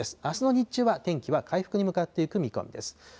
あすの日中は天気は回復に向かっていく見込みです。